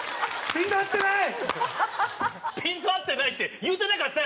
「ピント合ってない」って言うてなかったやろお前！